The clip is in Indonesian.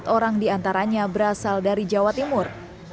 dua puluh empat orang diantaranya berasal dari jawa timur